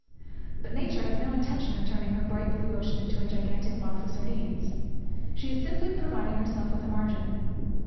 But Nature has no intention of turning her bright blue ocean into a gigantic box of sardines; she is simply providing herself with a margin.